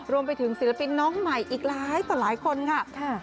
ศิลปินน้องใหม่อีกหลายต่อหลายคนค่ะ